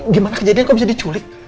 gimana kejadian kok bisa diculik